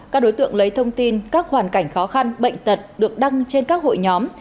các đối tượng lấy thông tin các hoàn cảnh khó khăn bệnh tật được đăng trên các hội nhóm